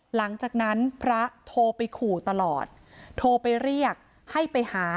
หลังจากนั้นพระโทรไปขู่ตลอดโทรไปเรียกให้ไปหา